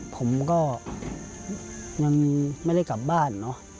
ผมก็ยังไม่ได้กลับบ้านเนอะ